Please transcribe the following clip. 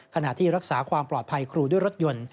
ขณะที่รักษาความปลอดภัยครูด้วยรถยนต์